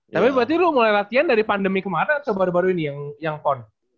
tapi berarti lu mulai latihan dari pandemi kemarin atau baru baru ini yang pon